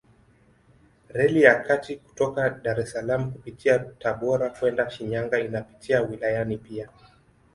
Reli ya kati kutoka Dar es Salaam kupitia Tabora kwenda Shinyanga inapita wilayani pia.